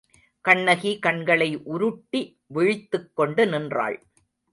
கண்ணகி கண்களை உருட்டி விழித்துக்கொண்டு நின்றாள்.